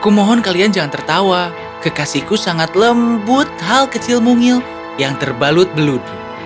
kumohon kalian jangan tertawa kekasihku sangat lembut hal kecil mungil yang terbalut belut